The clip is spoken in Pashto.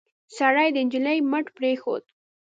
سړي د نجلۍ مټ پرېښود.